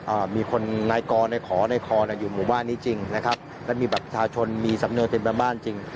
อ่ามีคนนายกรในขอในคอน่ะอยู่หมู่บ้านนี้จริงนะครับแล้วมีบัตรประชาชนมีสำนวนเต็มแบบบ้านจริง